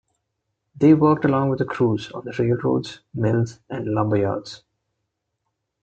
They worked along with the crews on the railroads, mills, and lumber yards.